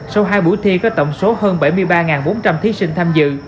sau hai buổi thi có tổng số hơn bảy mươi ba bốn trăm linh thí sinh tham dự